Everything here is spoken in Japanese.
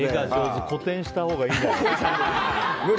馬君個展したほうがいいんじゃない？